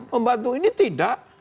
membantu ini tidak